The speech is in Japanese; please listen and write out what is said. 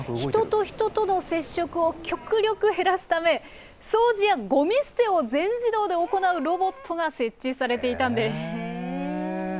人と人との接触を極力減らすため、掃除や、ごみ捨てを全自動で行うロボットが設置されていたんです。